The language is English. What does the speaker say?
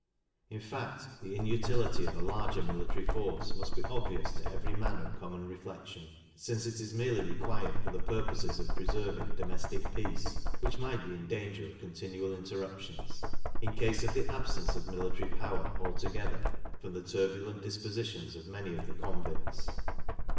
In fact, the inutility of a larger military force must be obvious to every man of common reflection, since it is merely required for the purposes of preserving domestic peace, which might be in danger of continual interruptions, in case of the absence of military power altogether, from the turbulent dispositions of many of the convicts.